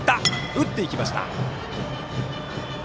打っていきました。